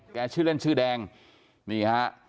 ชื่อเล่นชื่อแดงนี่ฮะ